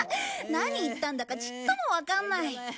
何言ったんだかちっともわかんない。